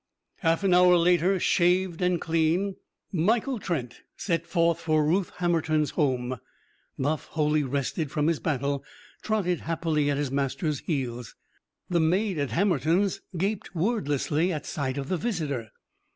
Half an hour later, shaved and clean, Michael Trent set forth for Ruth Hammerton's home. Buff, wholly rested from his battle, trotted happily at his master's heels. The maid at Hammertons' gaped wordlessly at sight of the visitor.